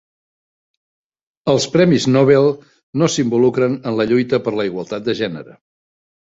Els premis Nobel no s'involucren en la lluita per la igualtat de gènere